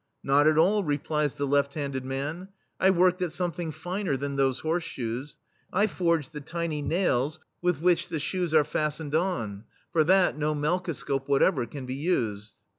"Not at all,*' replies the left handed man. "I worked at something finer than those horse shoes. I forged the tiny nails with which the shoes are THE STEEL FLEA fastened on; for that no melkoscope whatever can be used."